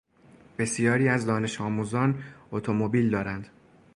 بسیاری از دانش آموزان اتومبیل دارند.